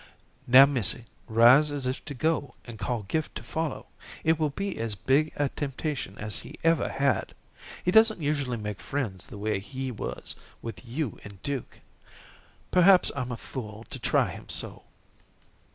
"Now missy, rise as if to go and call Gift to follow. It will be as big a temptation as he ever had. He doesn't usually make friends the way he has with you and Duke. Perhaps I'm a fool to try him so."